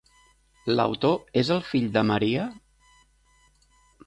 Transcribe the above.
L'autor és el fill de Maria?